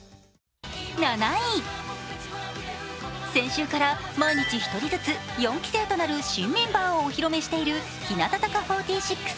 ７位、先週から毎日１人ずつ４期生となる新メンバーをお披露目している日向坂４６。